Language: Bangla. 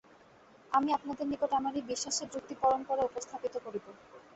আমি আপনাদের নিকট আমার এই বিশ্বাসের যুক্তিপরম্পরা উপস্থাপিত করিব।